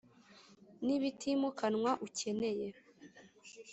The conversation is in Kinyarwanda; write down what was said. N Ibitimukanwa Ukeneye